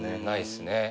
ないっすね。